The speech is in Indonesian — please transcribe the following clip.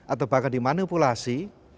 atau bahkan dimanipulasi